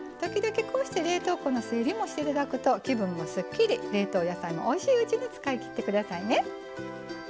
こうして、時々冷凍庫の整理もしていただくと気分もすっきり、冷凍野菜もおいしいうちに使いきってくださいね。